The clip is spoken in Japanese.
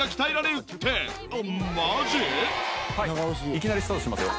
いきなりスタートしますよ。